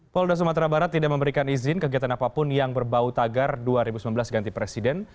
polda sumatera barat tidak memberikan izin kegiatan apapun yang berbau tagar dua ribu sembilan belas ganti presiden